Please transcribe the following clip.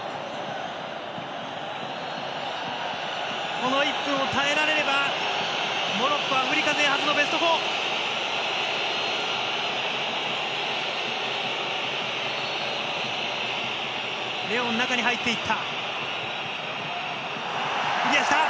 この１分を耐えられればモロッコアフリカ勢初のベスト４。クリアした！